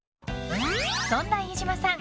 そんな飯島さん